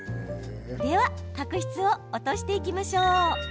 では角質を落としていきましょう。